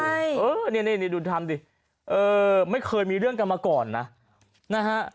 ใช่เออนี่นี่ดูทำดิเออไม่เคยมีเรื่องกันมาก่อนนะนะฮะ